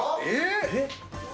えっ？